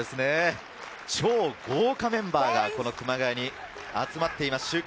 超豪華メンバーが熊谷に集まっています。